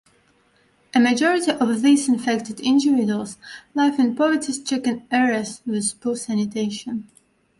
A majority of these infected individuals live in poverty-stricken areas with poor sanitation.